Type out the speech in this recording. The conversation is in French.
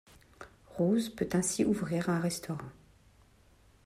Rose peut ainsi ouvrir un restaurant.